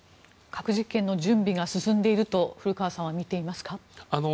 核実験の準備が進んでいると古川さんは見ていますか？